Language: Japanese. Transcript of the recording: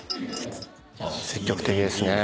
積極的ですね。